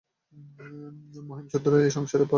মহিমচন্দ্র এ সংসারে পশ্চাতে পড়িয়া থাকিবে না।